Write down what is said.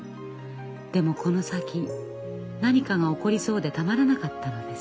でもこの先何かが起こりそうでたまらなかったのです。